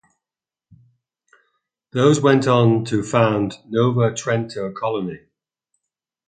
Those went on to found Nova Trento Colony.